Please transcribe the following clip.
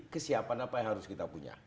kesiapan apa yang harus kita punya